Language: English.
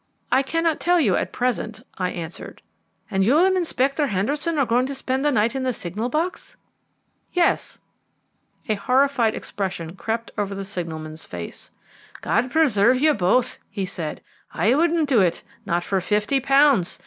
"I cannot tell you at present," I answered. "And you and Inspector Henderson are going to spend the night in the signal box?" "Yes." A horrified expression crept over the signalman's face. "God preserve you both," he said; "I wouldn't do it not for fifty pounds.